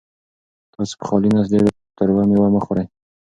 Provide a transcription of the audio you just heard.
تاسو په خالي نس ډېره تروه مېوه مه خورئ.